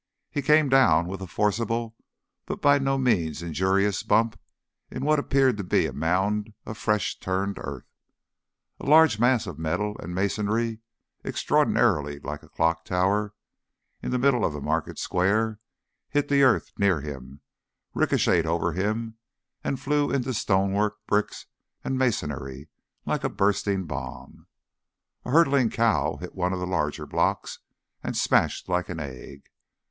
He came down with a forcible, but by no means injurious bump in what appeared to be a mound of fresh turned earth. A large mass of metal and masonry, extraordinarily like the clock tower in the middle of the market square, hit the earth near him, ricochetted over him, and flew into stonework, bricks, and masonry, like a bursting bomb. A hurtling cow hit one of the larger blocks and smashed like an egg.